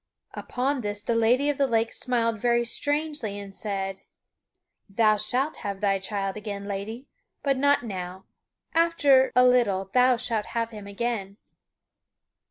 Upon this the Lady of the Lake smiled very strangely and said: "Thou shalt have thy child again, lady, but not now; after a little thou shalt have him again."